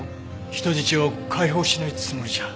人質を解放しないつもりじゃ。